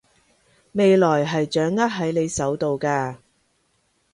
未來係掌握喺你手度㗎